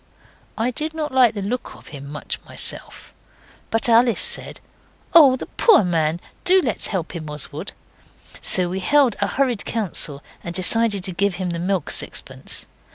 I did not like the look of him much myself, but Alice said, 'Oh, the poor man, do let's help him, Oswald.' So we held a hurried council, and decided to give him the milk sixpence.